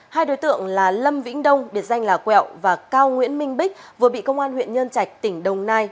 hai đối tượng là lâm vĩnh đông biệt danh là quẹo và cao nguyễn minh bích vừa bị công an huyện nhân trạch tỉnh đồng nai